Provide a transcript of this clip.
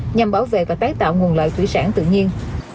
nhằm bảo vệ và tái tạo nguồn lợi thủy sản tự nhiên